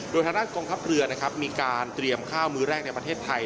โดยทางด้านกองทัพเรือนะครับมีการเตรียมข้าวมือแรกในประเทศไทย